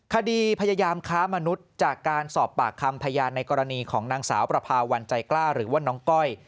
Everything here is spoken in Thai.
คดีพยายามค้ามนุษย์จากการสอบปากคำพยานในกรณีของนางสาวประพาวันใจกล้าหรือว่าน้องก้อย